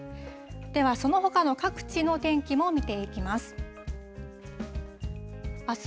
では、そのほかの各地の天気も見ていきます。